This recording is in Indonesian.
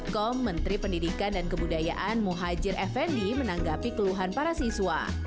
menurut mouhaji effendi menteri pendidikan dan kebudayaan mouhaji effendi menanggapi keluhan para siswa